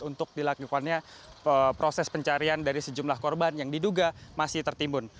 untuk dilakukannya proses pencarian dari sejumlah korban yang diduga masih tertimbun